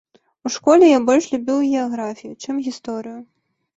У школе я больш любіў геаграфію, чым гісторыю.